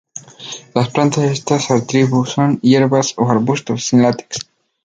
Las plantas de esta subtribu son hierbas o arbustos, sin látex.